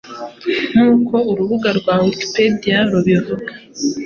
nk’uko urubuga rwa Wikipedia rubivuga